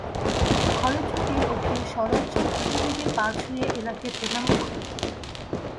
ঘরে ঢুকেই অখিল সলজ্জ দ্রুতবেগে পা ছুঁয়ে এলাকে প্রণাম করলে।